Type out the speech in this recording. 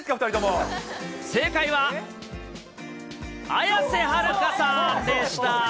正解は、綾瀬はるかさんでした。